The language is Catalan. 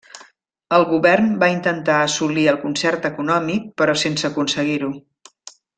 El govern va intentar assolir el concert econòmic però sense aconseguir-ho.